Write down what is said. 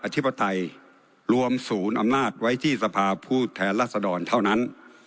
อธิบทัยรวมศูนย์อำนาจไว้ที่สภาพูดแทนลักษณ์ดอนเท่านั้น